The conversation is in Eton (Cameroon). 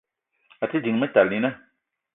A te ding Metalina